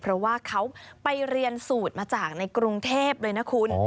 เพราะว่าเขาไปเรียนสูตรมาจากในกรุงเทพเลยนะคุณ